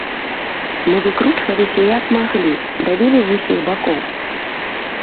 Мы выкручваліся як маглі, давілі з усіх бакоў.